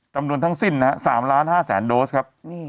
จำนวนทั้งสิ้น๓๕๐๐๐โดสครับ